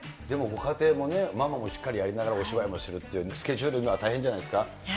でも、ご家庭もね、ママもしっかりやりながらお芝居もするって、スケジュールが大変じゃないですか？